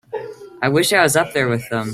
I wish I was up there with them.